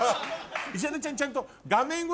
石原ちゃんちゃんと。